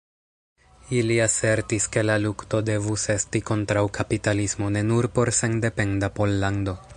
Ili asertis ke la lukto devus esti kontraŭ kapitalismo, ne nur por sendependa Pollando.